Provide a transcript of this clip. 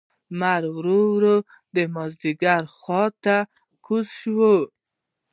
لمر ورو ورو د مازیګر خوا ته کږ شو.